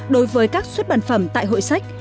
đối với các xuất bản phẩm tại hội sách